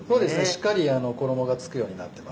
しっかり衣が付くようになってます。